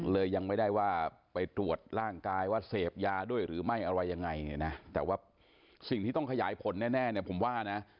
ยังไม่ได้ว่าไปตรวจร่างกายว่าเสพยาด้วยหรือไม่อะไรยังไงเนี่ยนะแต่ว่าสิ่งที่ต้องขยายผลแน่เนี่ยผมว่านะ